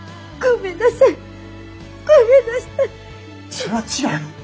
それは違う。